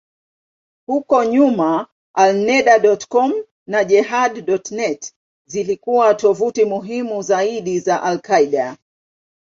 Huko nyuma, Alneda.com na Jehad.net zilikuwa tovuti muhimu zaidi za al-Qaeda.